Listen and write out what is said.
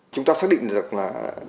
chúng ta xác định được là